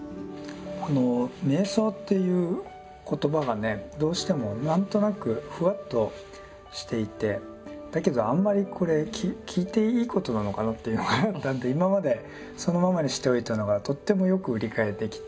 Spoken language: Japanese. この瞑想っていう言葉がねどうしても何となくふわっとしていてだけどあんまりこれ聞いていいことなのかなっていうのがあったので今までそのままにしておいたのがとってもよく理解できて。